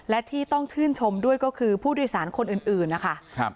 และที่ต้องชื่นชมด้วยก็คือผู้โดยสารคนอื่นนะคะ